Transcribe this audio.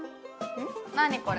何これ？